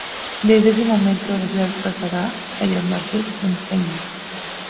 Desde ese momento, la ciudad pasará a llamarse Fontaine-l'Évêque.